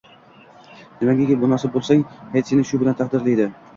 Nimagaki munosib bo’lsang, hayot seni shu bilan taqdirlaydi.